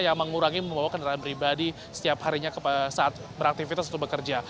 yang mengurangi membawa kendaraan pribadi setiap harinya saat beraktivitas atau bekerja